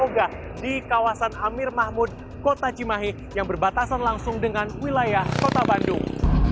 dan juga bakoga di kawasan amir mahmud kota cimahi yang berbatasan langsung dengan wilayah kota bandung